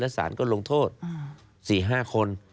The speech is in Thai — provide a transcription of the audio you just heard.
แล้วศาลก็ลงโทษ๔๕คน